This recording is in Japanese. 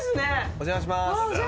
お邪魔します！